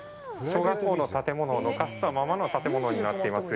小学校の建物を残したままの建物になっています。